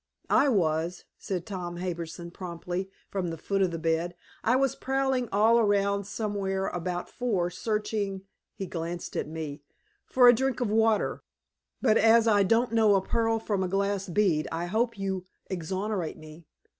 "I was," said Tom Harbison promptly, from the foot of the bed. "I was prowling all around somewhere about four, searching" he glanced at me "for a drink of water. But as I don't know a pearl from a glass bead, I hope you exonerate me."